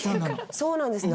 そうなんですね